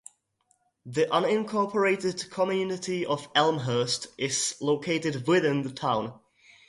The unincorporated community of Elmhurst is located within the town.